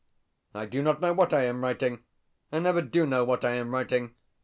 I do not know what I am writing. I never do know what I am writing.